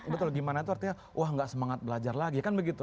betul gimana itu artinya wah nggak semangat belajar lagi kan begitu